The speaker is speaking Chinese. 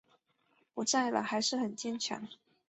不在了还是很坚强